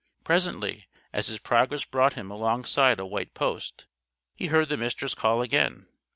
Presently, as his progress brought him alongside a white post, he heard the Mistress call again.